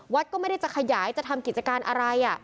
ก็ไม่ได้จะขยายจะทำกิจการอะไร